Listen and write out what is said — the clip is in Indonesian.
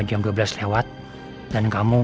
jam satu pagi sekarang